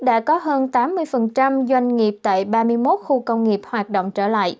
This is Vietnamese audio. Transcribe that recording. đã có hơn tám mươi doanh nghiệp tại ba mươi một khu công nghiệp hoạt động trở lại